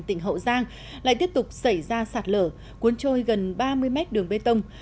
tỉnh hậu giang lại tiếp tục xảy ra sạt lở cuốn trôi gần ba mươi mét đường bê tông